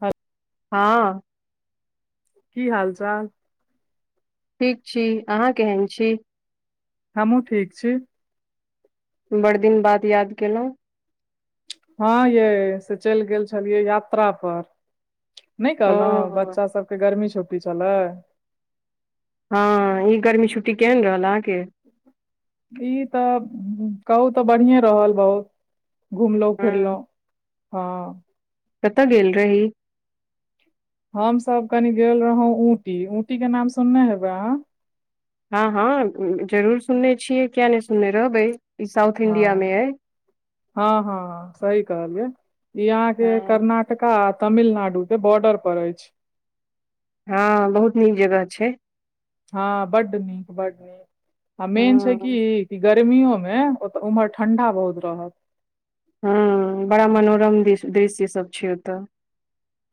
हा हँ की हाल चाल ठीक छी अहाँ केहन छी हमहुँ ठीक छी बड़ दिन बाद याद केलहुँ ह ये से चलि गेल छलियै यात्रा पर नहि कहलहुँ ओ बच्चा सभके गर्मी छुपी छलै, हँ ई गर्मी छुट्टी केहन रहल अहाँकेँ ई तऽ कहू तऽ बढ़िए रहल बहुत। घुमलो फिरलो हँ, कतय गेल रही हम सब कनी गेल रहौ ऊंटी ऊंटी के नाम सुनने हेबे अहाँ हँ हँ जरूर सुनने छियै किया नहि सुनने रहबै ई साउथ इंडिया मे य हँ हँ सही कहलिये यहाँके हँ कर्नाटक टका तमिलनाडु त बॉर्डर पर अछि। हँ बहुत नीक जगह छै, हँ बड नीक बड आ मेन छै हँ की गर गर्मियो मे ओत उम्हर ठंडा बहुत रहत। हँ बड़ा मनोरम दृश्य सब छै ओतऽ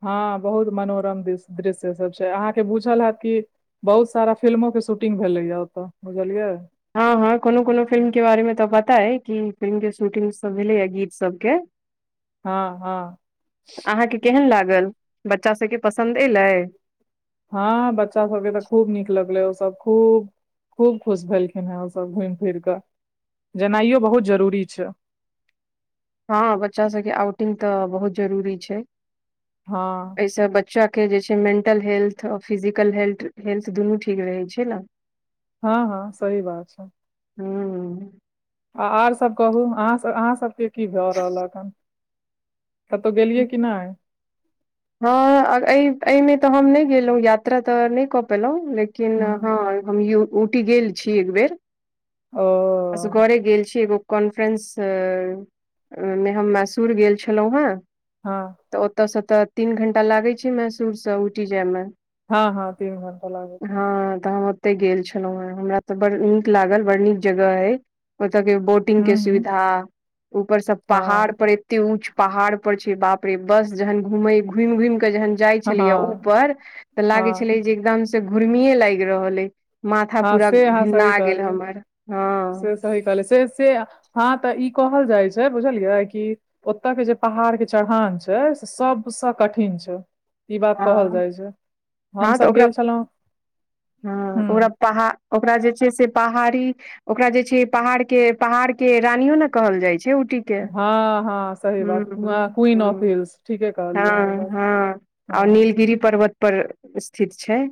हँ बहुत मनोरम दृश्य सब छै अहाँके बुझल हात कि बहुत सारा फिल्मोके शूटिंग भेलैए ओतऽ बुझलियै, हँ हँ कोनो कोनो फिल्म के बारे मे तऽ पता अइ कि फिल्म के शूटिंग सब भेलैय गीत सबके हँ हँ अहाँके केहन लागल बच्चा सबके पसन्द एलै, हँ बच्चा सबके तऽ खूब नीक लगलै ओसभ खूब खूब खुश भेलखिन हेँ ओसभ घुमि फिर कऽ जेनाइयो बहुत जरूरी छै हँ बच्चा सबके आउटिंग तऽ बहुत जरूरी छै। हँ एहिस बच्चा के जे छै मेंटल हेल्थ आ फिजिकल हेल्थ दुनू ठीक रहे छै हँ हँ सही बात हूँ आ आर सभ कहू अहाँसभ अहाँ सबके की भए रहलक केतऽ गेलियै क नहि हँ एहिमे तऽ हम नहि गेलहुँं यात्रा तऽ नहि कऽ पेलहुँं लेकिन लेकिन हँ हम उटी गेल छी एक बेेर ओ असकरे गेल छीय एगो कॉन्फ्रेन्स से ने हम मैसूर गेल छलहुँ हँ, हँ तऽ ओतय सँ तऽ तीन घण्टा लागैत छै मैसूरसँ उठि जायमे हँ हँ तीन घंटा लागै छै हँ तहन ओते गेल छलौ हैं हमरा तऽ बड़ नीक लागल बड नीक जगह है ओते के बोट [unintelligible] टिंग हूँ के हूँ सुविधा ऊपर सब पहाड़ हँ पर एते ऊच्च पहाड़ पर छैय बाप रे बस जेहन घुमेै घुयम- घुयम के जेहन जाय हँ छेलेैय ऊपर तऽ हँ लागेै छेलेै जे एकदम से घुर्मीेये लाग रहल ऐ माथा हँ पूरा से अहाँ सही भिन्ना गेल कहलियै हमर से हँ सही कहले से से हँ तऽ ई कहल जाइ छै बुझलियै कि ओतय के जे पहाड़के चढ़ान छै से सभसँ कठिन छै ई बात कहल हँ जाइ छै हँ हमस तऽ ओकरा गेल छलहुँ हँ ओकरा पहा ओकरा जे छैय से पहाड़ी। ओकरा जे छैय पहाड़ के पहाड़ के रानियों ने कहल जाय छै उटी के हँ हँ सही बात हँ क्वीन ऑफ हिल्स ठीके कहलियै अहाँ ई बात हँ ह और हँ नीलगिरी पर्वत पर स्थित छैय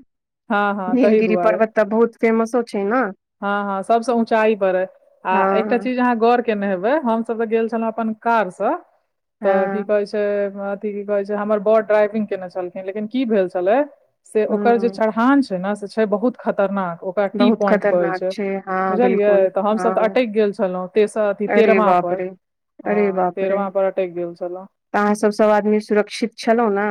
हँ हँ तहि नीलगिरी पर्वत तऽ बहुत फेमसो छैय न ह ह सबस ऊँचाई पर अैय आ एकटा हँ चीज अहाँ गर के ने हेबे हम सब तऽ गेल छेलौ अपन कार स तऽ की हँ कहेै छैय से अथि की कहै छैय हमर बड़ ड्राइविंग केने छलखिन लेकिन की भेल छलै से ओकर जे हँ चढ़ान छैय न से छैय बहुत खतरनाक ओकर टी बहुत पॉइंट कहैय खतरनाक छैय छै हँ बुझलियै बिलकुल तऽ हमसभ तऽ हँ अटैक गेल छेलौ तेसर अथी अरे तेरवां बाप पर रे ह अरे बाप रे तेरवां पर अटैक गेल छेलौ अहाँ सब-सब आदमी सुरक्षित छेलौ न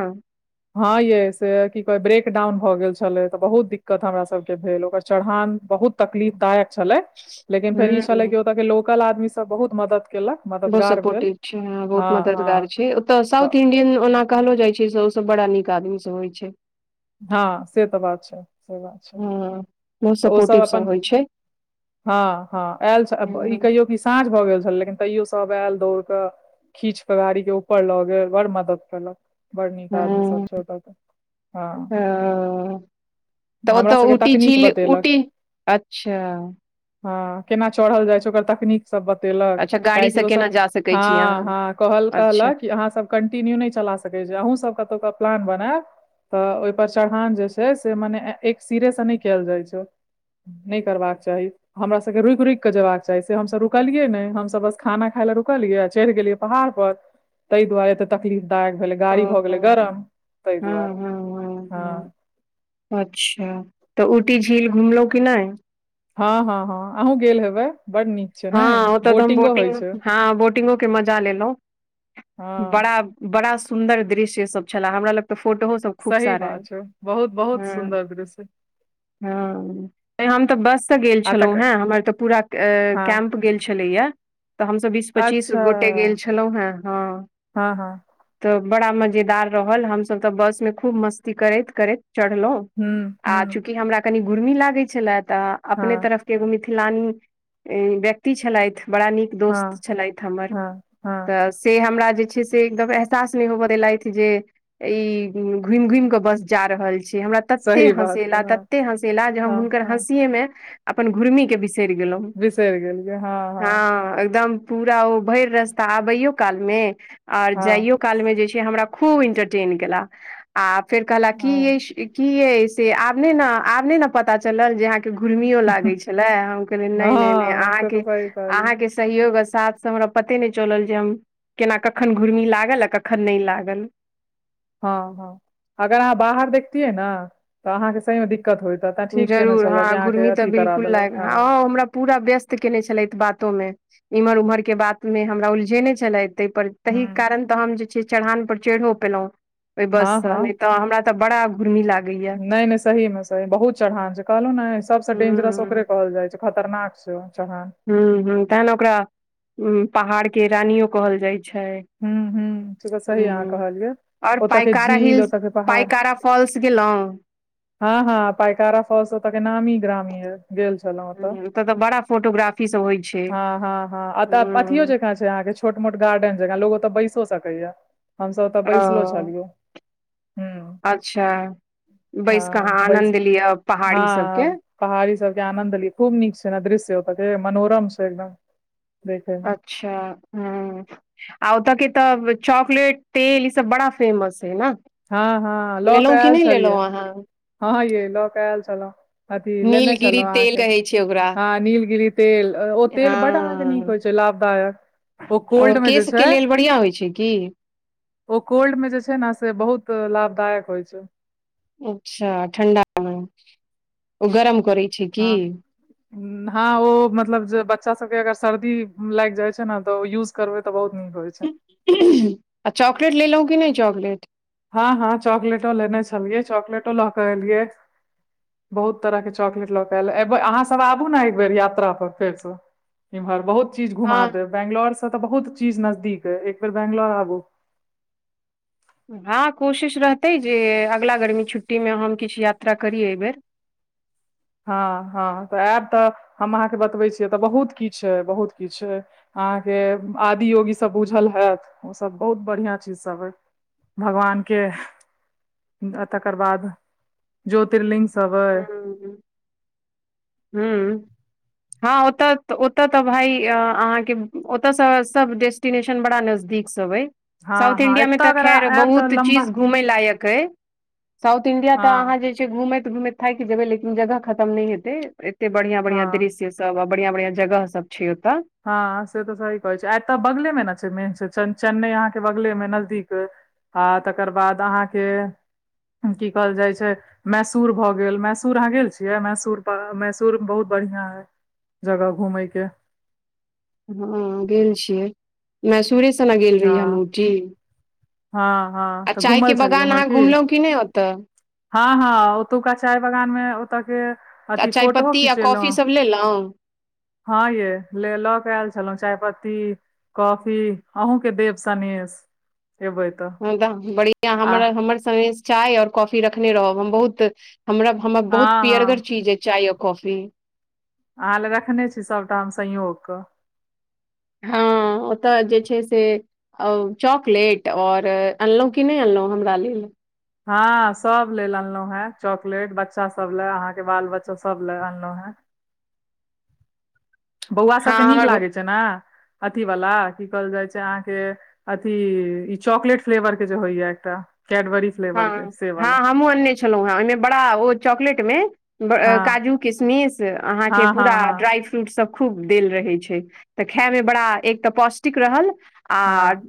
ह यै से की कहै ब्रेकडाउन भऽ गेल छेलै तऽ बहुत दिक्कत हमरा सबके भेल ओकर चढ़ान बहुत तकलीफ दायक छलेैय लेकिन फेर इ छलेै ह कि ओतऽ के लोकल आदमी सब बहुत मदद केलक बहुत मददगार भेल सपोटिव छी बहुत हँ हँ मददगार छी तऽ साउथ इंडियन ओना कहलो जाय छैय से ओ सब बड़ा नीक आदमी सब होय छैय ह से तऽ बात छै से बात छै हँ बहुत ओ सब सपोर्टिव अपन होइ छै ह ह एल इ हँ कहियो कि साँझ भऽ गेल छलेै लेकिन तैयो सब एल दौड़ कऽ खीच क गाड़ी के ऊपर लऽ गेल बड़ मदद केलक बड़ नीक आदमी सब छैय ओतऽ के हँ हऽ तऽ ओ हमरा तऽ सबके उटी तकनीक झील उटी अच्छा ह केना चढ़ल जाय छैय ओकर तकनीक सब बतेलक अच्छा गाड़ी से काहियो केना सब जा सकै ह छी अहाँ ह कहल- अच्छा कहलक कि अहाँ सब कंटिन्यू नै चला सकै छै अहूँ सब कतौ क प्लान बनेब तऽ ओहिपर चढ़ान जे छैय से मने एक सिरे से नै कऽल जाय छैय नै करबाक चाही हमरा सब के रूइक रुइक कऽ जेबाक चाही जे हम सब रुकलियै ने हम सब बस खाना खााय लए रुकलियै आ चैढ़ गेलियै पहाड़ पर तैय दुआरे एते तकलीफ दायक भेलै गाड़ी ओ भऽ गेलै गरम तै हँ दुआरे हँ हँ हाऽ हँ अच्छा तऽ उटी झील घुमलौ कि नै ह ह ह अहु गेल हेबै बड नीक छै ह ने ओतऽ तऽ हम बोटिंगो बौटिंग होइ छै ह बोटिंगो के मजा लेलौ हँ बड़ा बड़ा सुंन्दर दृश्य सब छेला हमरा लग तऽ फोटोओ सब खूब सही सारा अइ बात छै बहुत -बहुत सुंन्दर दृश्य हऽ नै हम तऽ बस स गेल आ छलौ तक हें हमर तऽ पूरा हाँ कैम्प गेल छेलै या तऽ हमसभ बीस पच्चीस अच्छा गोटे गेल छलौ हें ह हाॅं हाॅं तऽ बड़ा मजेदार रहल हम सब तऽ बस में खूब मस्ती करैत -करैत चढ़लौ हूँ हुॅं चूँकि हमरा कनि गोर्मी लागै छेला तऽ अपने हाँ तरफ के एगो मिथिलानी व्यक्ति छेलैथ बड़ा नीक दोस्त हाँ छेलैथ हमर हाँ हाँ तऽ से हमरा जे छै से एकदम एहसास नै होबदेलैथ जे ई घुइम घुइम कऽ बस जा रहल छै हमरा तत्ते सही बात छौ हँसेला हाँ तत्ते हँसेला जे हम हाँ हुनकर हाँ हँसिये में अपन घुर्मी के बिसैर गेलों बिसेर गेल हँ एकदम पूरा ओ भैर रस्ता आबैयो काल मे आर हाँ जाइयो काल मे जे छै हमरा खूब इंटरटेन केला आ फेर कहलक की हाँ मैं स की यै से आब नेै न आब नेै न पता चलल जे अहा घुरमियो लागै छेलाहम कहलियै नै -नै नै हाँ आँहा से तऽ के सही कहलियै -आँहा के सहयोग आ साथ से हमरा पते नै चलल जे हम केना कखन घुर्मी लागल आ कखन नै लागल ह ह अगर अहाँ बाहर देखतियै ने तऽ अहाँ के सही मे दिक् कत होयता त ठीक केने जरूर चलौं जे हँ अहांके घुर्मी तऽ अथी करा बिल्कुल देलक लाग ह हँ हमरा पूरा व्यस्त केने छलथि बातो मे इम्हर उम्हर के बात मे हमरा उलझेने छलथि तै पर तहि हम्म कारण तऽ हम जे छै चढ़ान पर चड़हो पेलौं ओहि बस हाँ से हाँ नय तऽ हमरा तऽ बड़ा घुर्मी लागैया नय नय सही मे सही बहुत चढ़ान छै कहलौ ने सबस हूँ डेंजरस ओकरे कहल जाइ छै खतरनाक छय उ चरहान हूं हूं तें न ओकरा पहाड़ के रानियो कहल जाइ छै हूं हूं सही अहाँ हूँ कहलियै आओर ओतऽ के पाइकारा झील हिल्स ओतऽ के पहाड़ पाइकारा फॉल्स गेलहुँ हँ हँ पाइकारा फौस ओता के नामी ग्रामी अइ गेल छलौं ओतऽ हूँ तऽ बड़ा फोटोग्राफी सब होइ छै हँ हँ हँ ओतऽ अथियो हूँ जंका अहाँ के छोट मोट गार्डन जकां लोग ओतऽ बैसो सकैया हम सब ओतऽ बैसलो ओ छलियै हूं अच्छा बैस कऽ हँ अहाँ बैस आनन्द लिअ पहाड़ी हँ सभके पहाड़ी सबके आनंद लिय खूब नीक छै ने दृश्य ओत मनोरम छै एकदम देखै मे अच्छा हूं आ ओतऽ के तऽ चॉकलेट तेल ई सब बड़ा फेमस अइ न हँ हँ लऽ कऽ लेलहुँ कि एल नहि छलियै लेलहुँ अहाँ हँ यै लऽ कऽ एल छलौं अथी लेने नीलगिरी छलौं तेल अहाके कहै छै ओकरा हँ नीलगिरी तेल ओ तेल बड अहाँके नीक हँ होइ छै लाभदायक ओ कोल्ड मे जे केशके छै लेल बढ़िआँ होइ छै की ओ कोल्ड मे जे छै ने से बहुत लाभदायक होइ छै अच्छा ठण्डा मे ओ गरम करै छै की हँ हँ ओ मतलब जे बच्चा सब के अगर सर्दी लागि जाइ छै ने तऽ यूज करबे तऽ बहुत नीक होइ छै [unintelligible] आ चॉकलेट लेलौं कि नय चॉकलेट हँ हँ चॉकलेटो लेने छलियै चॉकलेटो लऽ के एलियै बहुत तरह के चॉकलेट लऽ केऽ ऐल अहाँ सब आबु ने एक बेर यात्रा पर फेरसँ इम्हर बहुत चीज घुमा हँ देब बैंगलोर से त बहुत चीज नजदीक अइ एक बेर बैंगलोर आबु हँ कोशिश रहतै जे ऐगला गरमी छुट्टीमे हम किछ यात्रा करी एबेर हँ हँ तऽ एब तऽ हम अहाँके बतबै छीयै एतऽ बहुत किछ छै बहुत किछ अहाँके आदि योगी सभ बूझल हेऽत ओसभ बहुत बढ़िआं चीज सभ हइ भगवान के आ तकर बाद ज्योतिर्लि्ंग सब अय हूं हँ ओतऽ ओतऽ तऽ भाइ अहाँके ओतयसँ सब देश डेस्टिनेशन बड़ा नजदीक सब अय हँ साउथ हँ इंडिया मे एतऽ तऽ अगर खरि आयब तऽ बहुत लम्बा चीज घूमै लायक साउथ इंडिया तऽ अहाँ हँ जे छै घुमति घुमति थाइक जेबै लेकिन जगह खतम नहि हेतै एते बढ़ियां बढ़ियां हँ दृश्य सब आ बढ़ियां बढ़ियां जगह सब छै ओतऽ हँ से तऽ सही कहै छै आ तऽ बगले मे ने छै मेन छै चेन्नई अहाँके बगले मे नजदीक आ तकर बाद अहाँके की कहल जाइ छै मैसूर भऽ गेल मैसूर अहाँ गेल छियै मैसूर पर मैसूर बहुत बढ़िआं अइ जगह घूमैय के ह गेल छियै मैसूरे स ने गेल रहियै हम हँ औटी हँ हँ आ तऽ चाय घूमल के बगान अहाँ घुमलहुँ कि नहि ओत ह ह ओतुका चाय बगान मे ओतऽ के आ अथि चाय फोटो पत्ती आ खिचेलहुँ। कॉफी सब लेलहुँ ह ये ले लऽ के आयल छलहुँ चाय पत्ती कॉफी अहुके देब सनेश एबै तऽ बढ़आ आ हमर से चाय ओर कॉफी रखने रहब हम बहुत हमरा हमर बहुत हँ पियरगर हँ चीज है चाय आर कॉफी, अहाँ लऽ रखने छी सभटा हम संयोग कऽ ह ओतय जे छै से चॉकलेट ओर अनलहुँ कि नहि अनलहुँ हमरा लेल, हँ सभ लेलऽ अनलहु हें चॉकलेट बच्चा सभ लए अहाँकेँ बाल बच्चो सभ लए अनलहु हे बौआ सभके हँ नीक हमर लागे छै ने अथी वाला कि कहल जाइ छै अहाँकेँ अथी ई चॉकलेट फ्लेवर के जे होइया एकटा कैडबरी। फ्लेवर के हँ से हँ वाला हमहूँ अनने छलहुँ हे ओहिमे बड़ा ओ चॉकलेट मे हँ काजू किशमिश अहाँकेँ हँ हँ पूरा हँ ड्राइ फ्रूट सभ खूब देल रहै छै तऽ खायमे बड़ा एक तऽ पौष्टिक रहल आ हँ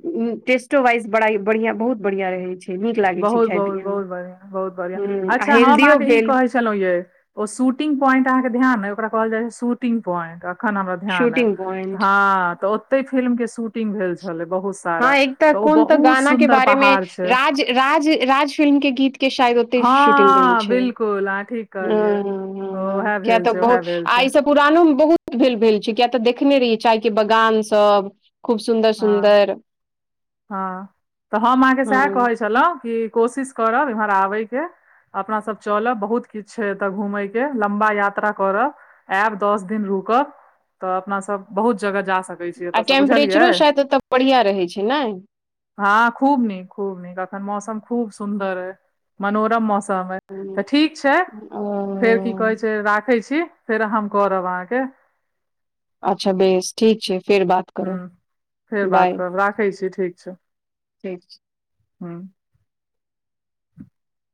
टेस्टो वाइज बड़ा बढ़िया बहुत बढ़िया रहे छै नीक लागे छै। बहुत खाय पियए मे बहुत बढ़िया बहुत बढ़िया हुं आ अच्छा हम हेल्दियो अहाँकेँ ई भेल कहै छी छलहुँ य ओ शूिंग पॉइट अहाँकेँ ध्यान ओक कहल जाइ छै शूटिंग पॉइंट नै हमरा ध्यान शूटिंग पॉइंट ह तऽ ओते फिल्म के शूटिंग भेल छल बहुत सारा हँ एक तऽ ओ कोन तऽ बहुत गाना के सुन्दर बारे मे पहाड़ छै राज राज राज फिल्म के गीत के शायद ओ शूटि भेल हँ छै बिल्कुल अहाँ ठीक कहलियै ओएह किया भेल तऽ छै बहु ओएह भेल छै ई सभ पुरानोमे बहुत भेल भेल छै किया तऽ देखने रहियै चायके बगान सभ खूब सुन्दर हँ सुन्दर। हँ तऽ हम अहाँकेँ सएह हँ कहै छलहुँ कि कोशिश करब एम्हर आबयके, अपना सभ चलब बहुत किछु छै एतय घूमय के लम्बा यात्रा करब आयब दस दिन रुक तऽ अपना सभ बहुत जगह जा सक आ टेम्परेचरो शायद ओतय बढ़िआ रहैत छै ने, हँ खूब नीक खूब नीक अखन मौसम खूब सुंन्दर है मनोरम मौसम। सभ हम्म, तऽ ठीक छै फेर कि ओ कहै छै राखै छी, फेर हम करब अहाँकेँ अच्छा बेस ठीक छै फेर बात। हू करब फेर बात बाय करब राखै छी ठीक छै। ठीक छै ह [inaudible]